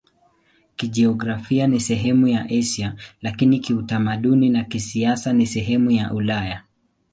Kijiografia ni sehemu ya Asia, lakini kiutamaduni na kisiasa ni sehemu ya Ulaya.